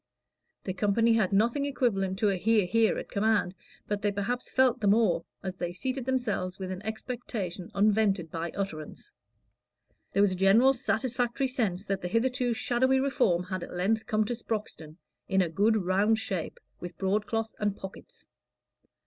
The company had nothing equivalent to a "hear, hear," at command, but they perhaps felt the more, as they seated themselves with an expectation unvented by utterance. There was a general satisfactory sense that the hitherto shadowy Reform had at length come to Sproxton in a good round shape, with broadcloth and pockets.